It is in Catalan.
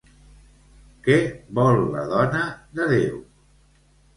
Què vol la dona de Déu?